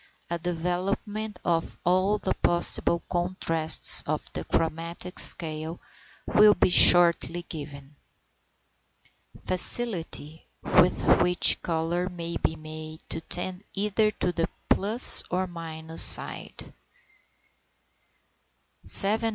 A development of all the possible contrasts of the chromatic scale will be shortly given. FACILITY WITH WHICH COLOUR MAY BE MADE TO TEND EITHER TO THE PLUS OR MINUS SIDE.